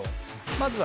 まずは。